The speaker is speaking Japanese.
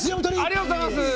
ありがとうございます。